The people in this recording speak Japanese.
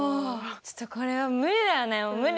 ちょっとこれは無理だよね。